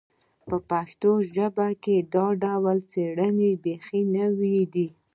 په پښتو ژبه کې دا ډول څېړنې بیخي نوې دي